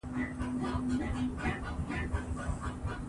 اداري اصول د ادارې د کړنو لارښود دي.